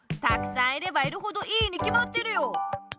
たくさんいればいるほどいいにきまってるよ！